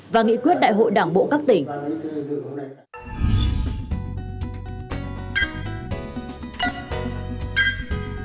và nghị quyết đại hội đảng bộ các tỉnh